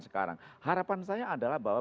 sekarang harapan saya adalah bahwa